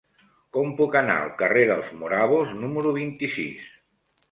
Com puc anar al carrer dels Morabos número vint-i-sis?